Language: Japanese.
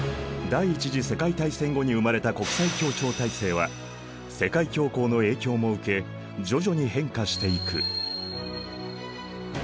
第一次世界大戦後に生まれた国際協調体制は世界恐慌の影響も受け徐々に変化していく。